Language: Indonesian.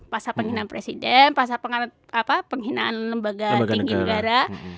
pasal penghinaan presiden pasal penghinaan lembaga tinggi negara